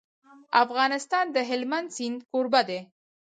افغانستان د هلمند سیند کوربه دی.